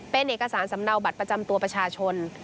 เป็นเอกสารสำเนาบัตรประจำตัวประชาชน